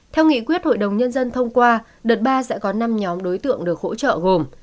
theo nghị quyết hội đồng nhân dân thông qua đợt ba sẽ có năm nhóm đối tượng được hỗ trợ gồm